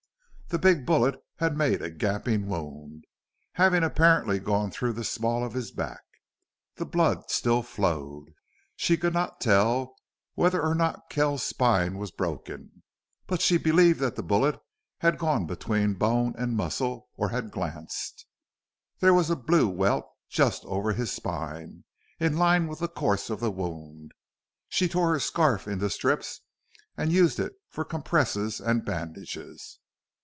The big bullet had made a gaping wound, having apparently gone through the small of his back. The blood still flowed. She could not tell whether or not Kell's spine was broken, but she believed that the bullet had gone between bone and muscle, or had glanced. There was a blue welt just over his spine, in line with the course of the wound. She tore her scarf into strips and used it for compresses and bandages.